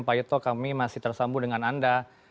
pak yuto kami masih tersambung dengan anda